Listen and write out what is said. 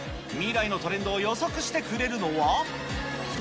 未来のトレンドを予測してくれるのは。